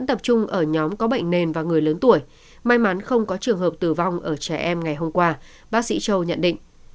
nhiều trường hợp tử vong có bệnh nền và người lớn tuổi may mắn không có trường hợp tử vong ở trẻ em ngày hôm qua bác sĩ châu nhận định